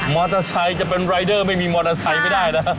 มอเตอร์ไซค์จะเป็นรายเดอร์ไม่มีมอเตอร์ไซค์ไม่ได้นะ